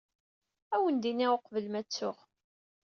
Ad awen-d-iniɣ uqbel ma ttuɣ.